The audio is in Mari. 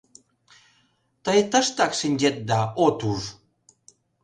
Тый тыштак шинчет да от уж.